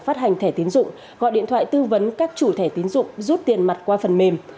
phát hành thẻ tiến dụng gọi điện thoại tư vấn các chủ thẻ tiến dụng rút tiền mặt qua phần mềm